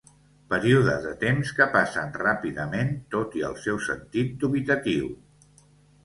Períodes de temps que passen ràpidament, tot i el seu sentit dubitatiu.